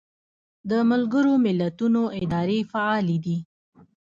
د ملګرو ملتونو ادارې فعالې دي